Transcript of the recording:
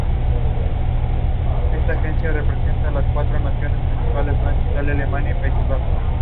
Estos sujetos solo aceptaban las descripciones positivas.